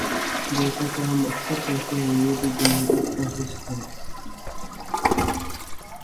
جیسا کہ ہم اکثر کہتے ہیں، یہ بھی جمہوریت کا حسن ہے۔